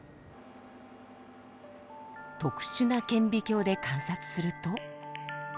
特殊な顕微鏡で観察すると。